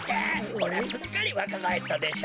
ほらすっかりわかがえったでしょ？